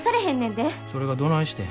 それがどないしてん。